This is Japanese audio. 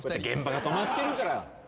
現場が止まってるから。